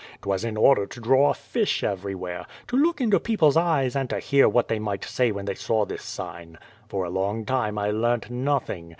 'Twas in order to draw a fish everywhere, to look into peoples eyes and to hear what they might say when they saw this sign. For a long time I learnt nothing.